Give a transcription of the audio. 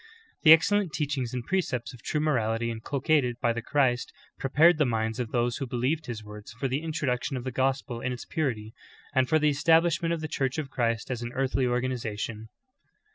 12. The excellent teachings and precepts of true morality in culcated bv the Christ prepared the minds of those who believed His words for the introduction of the gospel in its purity, and for the establishment of the Church of Christ as an earthly organization.